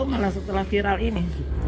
tahu malah setelah viral ini